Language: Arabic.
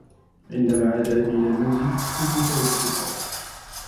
عندما عاد أبي إلى المنزل كنت أشاهد التلفاز.